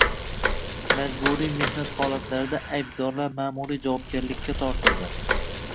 Majburiy mehnat holatlarida aybdorlar ma'muriy javobgarlikka tortildi